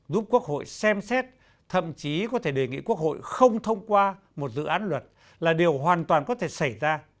giúp quốc hội xem xét thậm chí có thể đề nghị quốc hội không thông qua một dự án luật là điều hoàn toàn có thể xảy ra